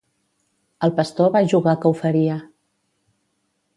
El pastor va jugar que ho faria.